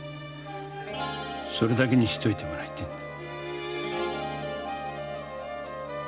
それだけにしといてもらいてえんだ。